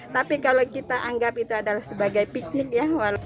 tapi kalau kita anggap itu adalah sebagai piknik ya